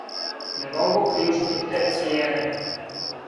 Не могу приуштити те цијене.